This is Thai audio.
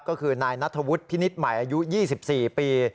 ก็คือนายนัทธวุฒิพินิษฐ์ใหม่อายุ๒๔ปี